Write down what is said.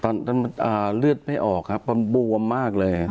ตอนนั้นมันเลือดไม่ออกครับมันบวมมากเลย